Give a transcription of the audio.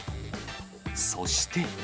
そして。